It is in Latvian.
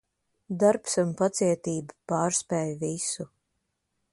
Darbs un pacietība pārspēj visu.